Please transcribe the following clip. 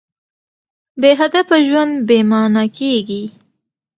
بېهدفه ژوند بېمانا کېږي.